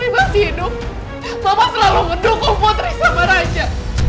bapak selalu mendukung putri sama raja